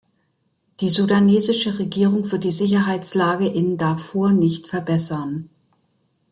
Die sudanesische Regierung wird die Sicherheitslage in Darfur nicht verbessern.